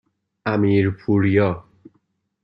امیرپوریا